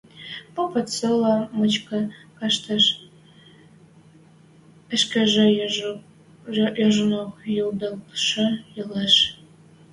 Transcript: Попат сола мычкы каштеш, ӹшкежӹ яжонок йӱлдӓлшӹ ылеш